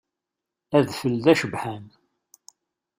Adfel d acebḥan.